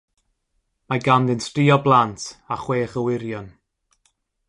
Mae ganddynt dri o blant a chwech o wyrion.